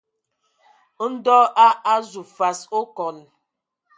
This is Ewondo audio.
Ndɔ a azu fas okɔn.